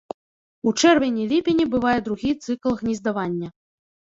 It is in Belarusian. У чэрвені-ліпені бывае другі цыкл гнездавання.